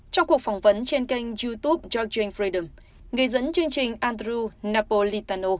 trong cuộc phỏng vấn trên kênh youtube georgian freedom người dẫn chương trình andrew napolitano